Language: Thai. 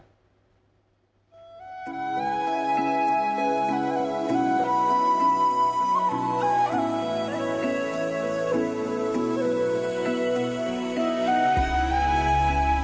นี่คือ